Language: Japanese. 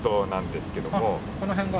この辺が？